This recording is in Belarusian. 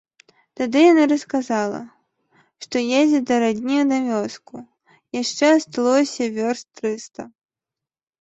Тады яна расказала, што едзе да радні на вёску, яшчэ асталося вёрст трыста.